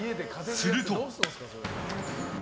すると。